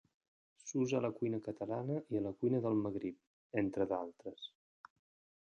S'usa a la cuina catalana i a la cuina del Magrib, entre d'altres.